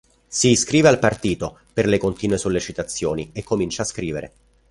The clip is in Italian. Si iscrive al partito, per le continue sollecitazioni, e comincia a scrivere.